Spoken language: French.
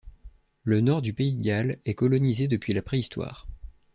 Le Nord du pays de Galles est colonisé depuis la préhistoire.